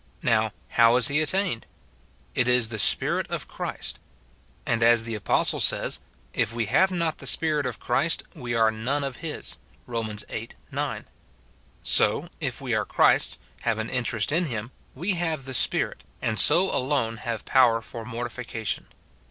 Now, how is he at tained ? It is the Spirit of Christ : and as the apostle says, "If we have not the Spirit of Christ, we are none of his," Eom. viii. 9 ; so, if we are Christ's, have an in terest in him, we have the Spirit, and so alone have power for mortification.